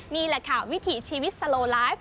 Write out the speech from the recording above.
นี่แหละค่ะวิถีชีวิตสโลไลฟ์